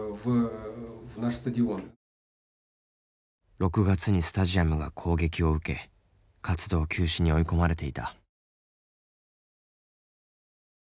６月にスタジアムが攻撃を受け活動休止に追い込まれていた。